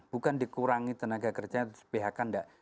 bukan dikurangi tenaga kerja sepihakan enggak